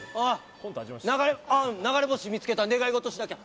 あ、流れ星見つけた願い事しなきゃ。